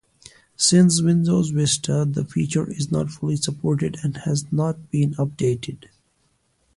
Since Windows Vista, the feature is not fully supported and has not been updated.